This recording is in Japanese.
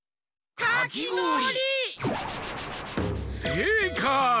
せいかい！